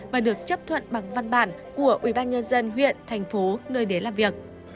và được chấp thuận bằng văn bản của ubnd huyện thành phố nơi đến làm việc